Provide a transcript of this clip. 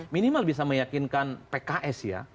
minimal bisa meyakinkan pks ya